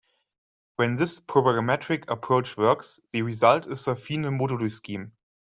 When this programmatic approach works, the result is a "fine moduli scheme".